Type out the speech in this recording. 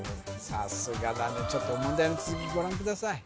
さすがだねちょっと問題の続きご覧ください